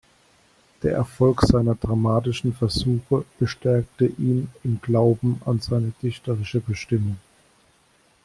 Der Erfolg seiner dramatischen Versuche bestärkte ihn im Glauben an seine dichterische Bestimmung.